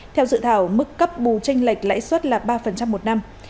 theo dự thảo mức cấp bù tranh lệch lãi suất là ba một năm